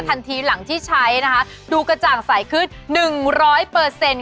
ทันทีหลังที่ใช้นะคะดูกระจ่างใสขึ้น